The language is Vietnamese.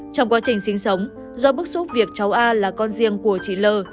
trong quá trình sinh sống do bức xúc việc cháu a là con riêng của chị l